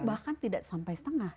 bahkan tidak sampai setengah